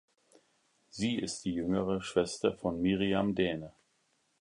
Sie ist die jüngere Schwester von Miriam Dehne.